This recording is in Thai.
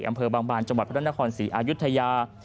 อำเภอบางบานจังหวัดพระนครศรีอายุทยา